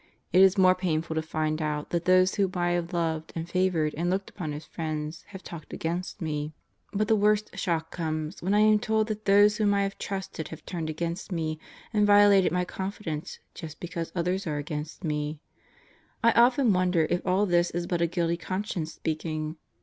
It is more painful to find out that those whom I have loved and favored and looked upon as friends, have talked against me. But the worst shock comes when I am told that those whom I have trusted have turned against me and violated my confidence just because others are against me. ... I often wonder if all this is but a guilty conscience speaking?